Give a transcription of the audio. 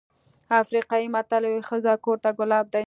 افریقایي متل وایي ښځه کور ته ګلاب دی.